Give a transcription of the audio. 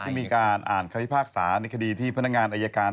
มีการอ่านคำพิพากษาในคดีที่พนักงานอายการ